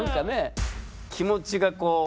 気持ちがこう。